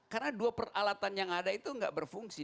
karena dua peralatan yang ada itu enggak berfungsi